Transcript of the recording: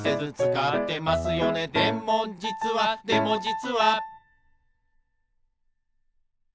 「でもじつはでもじつは」